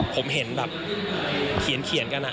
ผมเห็นแบบเขียนกัน